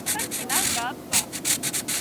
さっき何かあった？